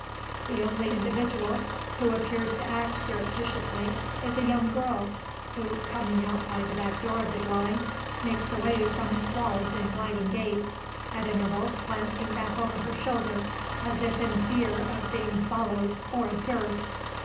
The only individual, who appears to act surreptitiously, is a young girl; who, coming out by the back door of the dwelling, makes away from its walls in gliding gait at intervals glancing back over her shoulder, as if in fear of being followed, or observed.